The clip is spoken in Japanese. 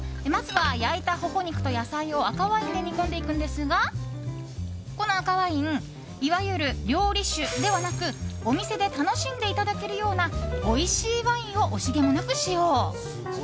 まずは焼いたホホ肉と野菜を赤ワインで煮込んでいくんですがこの赤ワインいわゆる料理酒ではなくお店で楽しんでいただけるようなおいしいワインを惜しげもなく使用。